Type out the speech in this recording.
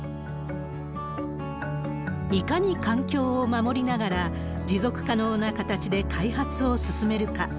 いかに環境を守りながら、持続可能な形で開発を進めるか。